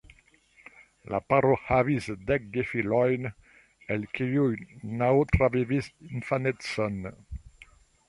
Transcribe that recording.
La paro havis dek gefilojn, el kiuj naŭ travivis infanecon.